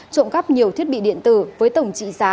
trộm cắp nhiều thiết bị điện tử với tổng trị giá